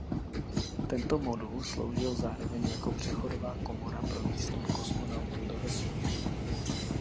Tento modul sloužil zároveň jako přechodová komora pro výstup kosmonautů do vesmíru.